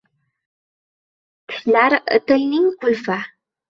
• Tishlar — tilning qulfi.